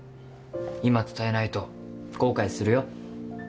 今伝えないと後悔するよ？